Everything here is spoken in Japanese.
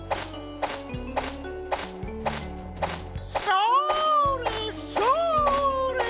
それそれ！